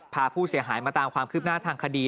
พาผู้เสียหายมาตามความคืบหน้าทางคดี